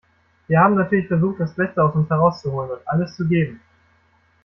Wir haben natürlich versucht, das Beste aus uns herauszuholen und alles zu geben.